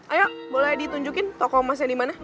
ayo boleh ditunjukin toko emasnya dimana